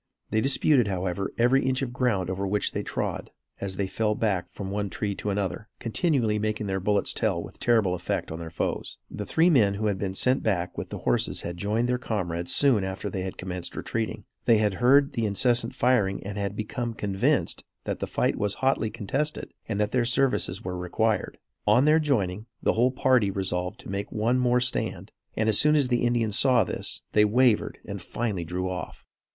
They disputed, however, every inch of ground over which they trod, as they fell back from one tree to another, continually making their bullets tell with terrible effect on their foes. The three men who had been sent back with the horses had joined their comrades soon after they had commenced retreating. They had heard the incessant firing and had become convinced that the fight was hotly contested and that their services were required. On their joining, the whole party resolved to make one more stand, and as soon as the Indians saw this, they wavered and finally drew off.